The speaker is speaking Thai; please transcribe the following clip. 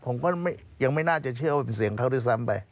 ผมก็ยังไม่น่าจะเชื่อว่าเป็นเสียงเขาด้วยซ้ำไป